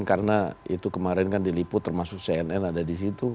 karena itu kemarin kan diliput termasuk cnn ada di situ